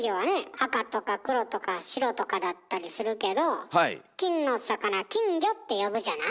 赤とか黒とか白とかだったりするけど金の魚「金魚」って呼ぶじゃない？